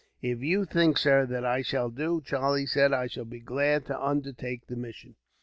"If you think, sir, that I shall do," Charlie said; "I shall be glad to undertake the mission."